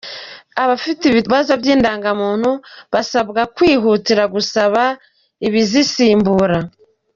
Abafite ibibazo by’indangamuntu basabwe kwihutira gusaba ibizisimbura.